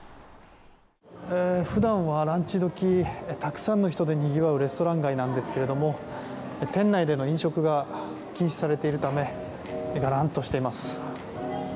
普段はランチ時たくさんの人でにぎわうレストラン街なんですが店内での飲食が禁止されているためがらんとしています。